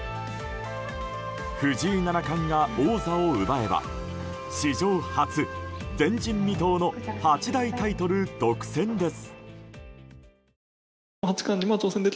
藤井七冠が王座を奪えば史上初、前人未到の八大タイトル独占です。